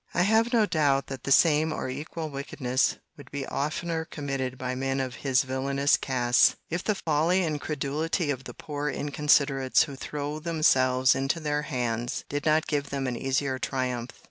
I have no doubt that the same or equal wickedness would be oftener committed by men of his villanous cast, if the folly and credulity of the poor inconsiderates who throw themselves into their hands, did not give them an easier triumph.